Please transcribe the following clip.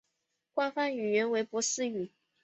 官方语言为波斯语。